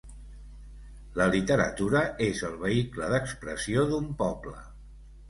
La literatura és el vehicle d'expressió d'un poble.